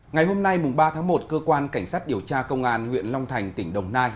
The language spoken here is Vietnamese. ngày hôm nay ba tháng một cơ quan cảnh sát điều tra công an huyện long thành tỉnh đồng nai